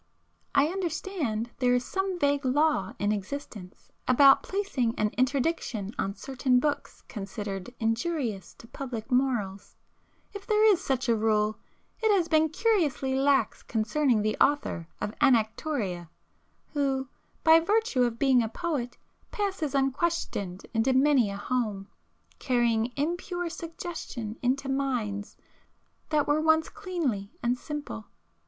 I understand there is some vague law in existence about placing an interdiction on certain books considered injurious to public morals,—if there is such a rule, it has been curiously lax concerning the author of 'Anactoria'—who, by virtue of being a poet, passes unquestioned into many a home, carrying impure suggestion into minds that were once cleanly and simple.